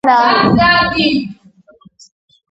ამ არქეოლოგიურ აღმოჩენას დიდი გამოძახილი ჰქონდა მთელ მსოფლიოში.